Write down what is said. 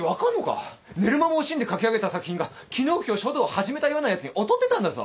寝る間も惜しんで書き上げた作品が昨日今日書道を始めたようなやつに劣ってたんだぞ。